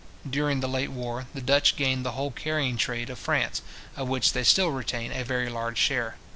During the late war, the Dutch gained the whole carrying trade of France, of which they still retain a very large share.